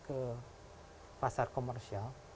ke pasar komersial